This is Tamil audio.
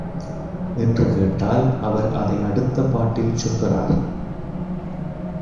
என்று கேட்டால், அவர் அதை அடுத்த பாட்டில் சொல்கிறார்.